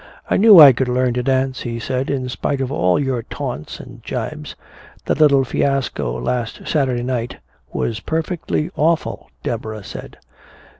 "I knew I could learn to dance," he said, "in spite of all your taunts and jibes. That little fiasco last Saturday night " "Was perfectly awful," Deborah said.